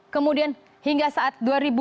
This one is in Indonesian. kemudian hingga saat dua ribu dua puluh